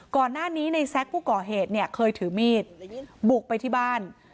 ก่อนหน้านี้ในแซ็กผู้ก่อเหตุเนี่ยเคยถือมีดบุกไปที่บ้าน